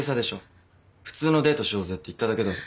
普通のデートしようぜって言っただけだろ。